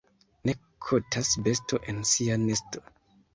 Ne kotas besto en sia nesto.